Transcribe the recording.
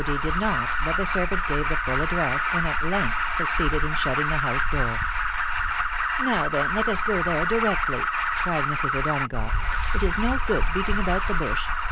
did not, but the servant gave the full address, and at length succeeded in shutting the house door. " Now, then, let us go there directly," cried Mrs. O'Dona gough. " It is no good beating about the bush.